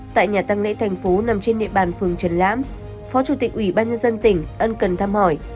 tại nhà tăng lễ thành phố nằm trên địa bàn phường trần lãm phó chủ tịch ubnd tỉnh ân cần thăm hỏi